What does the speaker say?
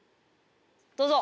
どうぞ！